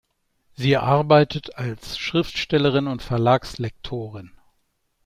Sie arbeitet als Schriftstellerin und Verlagslektorin.